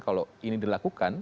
kalau ini dilakukan